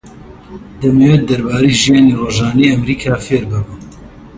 دەمەوێت دەربارەی ژیانی ڕۆژانەی ئەمریکا فێر ببم.